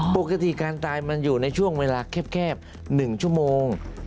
ปกติการตายมันอยู่ในช่วงเวลาแคบ๑ชั่วโมง